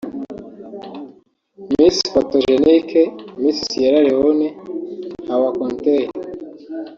Miss Photogenic - Miss Sierra Leone Hawa Conteh